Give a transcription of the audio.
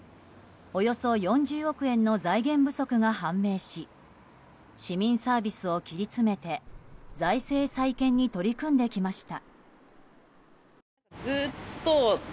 およそ４０億円の財源不足が判明し市民サービスを切り詰めて財政再建に取り組んできました。